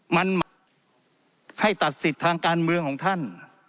มันให้ตัดสิทธิ์ทางการเมืองของท่าน